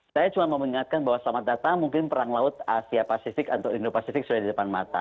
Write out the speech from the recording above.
saya cuma mau mengingatkan bahwa selamat datang mungkin perang laut asia pasifik atau indo pasifik sudah di depan mata